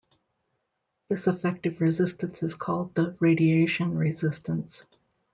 This effective resistance is called the radiation resistance.